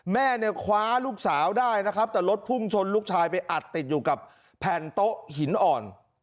แม่เนี่ยคว้าลูกสาวได้นะครับแต่รถพุ่งชนลูกชายไปอัดติดอยู่กับแผ่นโต๊ะหินอ่อน